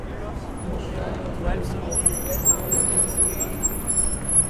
No skatu torņa augstumiem varēja redzēt Rīgu.